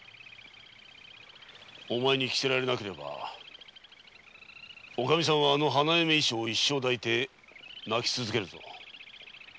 お前に着せられなければおカミさんは花嫁衣装を一生抱いて泣き続けるぞ。